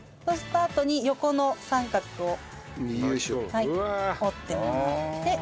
そうしたあとに横の三角を折ってもらって。